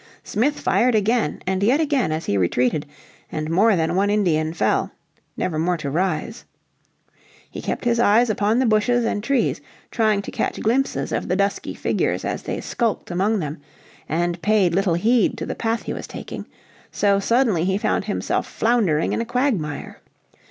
Smith fired again and yet again as he retreated, and more than one Indian fell, never more to rise. He kept his eyes upon the bushes and trees trying to catch glimpses of the dusky figures as they skulked among them, and paid little heed to the path he was taking. So suddenly he found himself floundering in a quagmire.